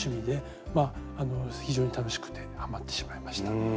まああの非常に楽しくてハマってしまいました。